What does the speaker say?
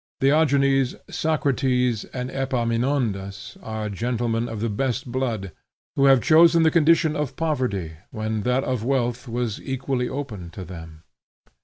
Diogenes, Socrates, and Epaminondas, are gentlemen of the best blood who have chosen the condition of poverty when that of wealth was equally open to them.